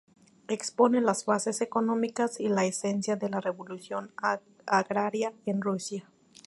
Expone las bases económicas y la esencia de la revolución agraria en Rusia.